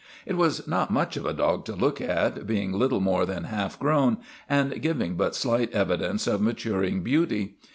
It was not much of a dog to look at, being little more than half grown and giving but slight evidence of maturing beauty.